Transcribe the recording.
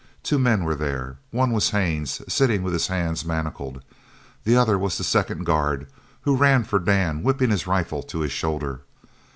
Two men were there. One was Haines, sitting with his hands manacled. The other was the second guard, who ran for Dan, whipping his rifle to his shoulder.